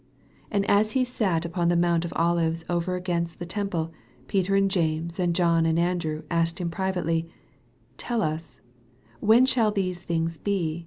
3 And as he sat upon the mount of Olives over against the temple, Peter and James and John and Andrew asked him privately ; 4 Tell us, when shall these things be